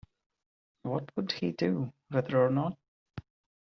What would he do, whether or not?